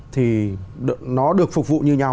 thì nó được phục vụ như nhau